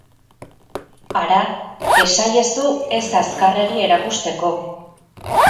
Hara, esaiezu ez azkarregi erakusteko.